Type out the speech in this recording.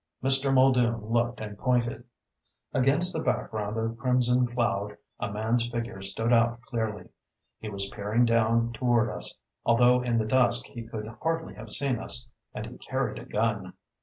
Mr. Muldoon looked and pointed. Against the background of crimson cloud a man's figure stood out clearly. He was peering down toward us, although in the dusk he could hardly have seen us, and he carried a gun. Mr.